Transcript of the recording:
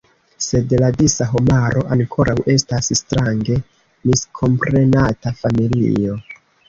Sed la disa homaro ankoraŭ estas strange miskomprenata familio.